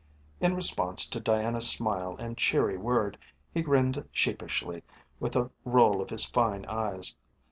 In response to Diana's smile and cheery word he grinned sheepishly with a roll of his fine eyes.